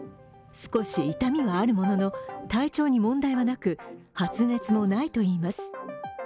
少し痛みはあるものの、体調に問題はなく発熱もないといいます。